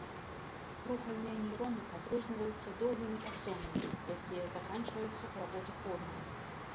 Рухальныя нейроны адрозніваюцца доўгімі аксонамі, якія заканчваюцца ў рабочых органах.